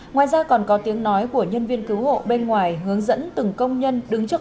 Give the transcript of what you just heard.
ngoài ra còn có tiếng nói của nhân viên cứu hộ bên ngoài hướng dẫn từng công nhân đứng trước